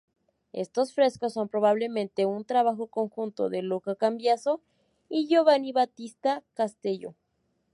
Estos frescos son probablemente un trabajo conjunto de Luca Cambiaso y Giovanni Battista Castello.